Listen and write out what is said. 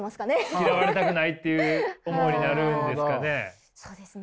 嫌われたくないっていう思いになるんですかね。